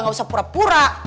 nggak usah pura pura